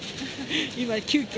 今、急きょ。